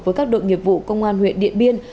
với các đội nghiệp vụ công an huyện điện biên